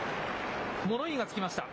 物言いがつきました。